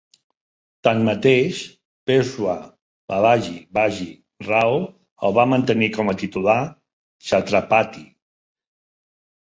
Tanmateix, Peshwa Balaji Baji Rao el va mantenir com a titular Chhatrapati.